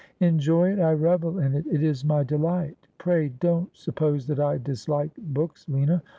' Enjoy it ! I revel in it ; it is my delight. Pray don't sup pose that. I dislike books, Lina.